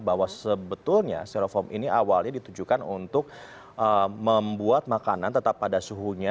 bahwa sebetulnya steroform ini awalnya ditujukan untuk membuat makanan tetap pada suhunya